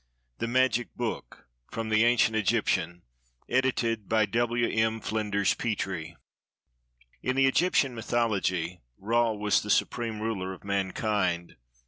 THE MAGIC BOOK FROM THE ANCIENT EGYPTIAN, EDITED BY W. M. FLINDERS PETREE [In the Egyptian mythology, Ra was the supreme ruler of mankind.